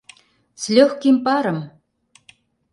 С лёгким паром!